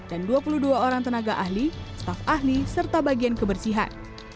dan dua puluh dua orang tenaga ahli staf ahli serta bagian kebersihan